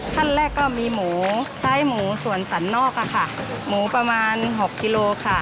ขั้นแรกก็มีหมูใช้หมูส่วนสันนอกค่ะหมูประมาณ๖กิโลค่ะ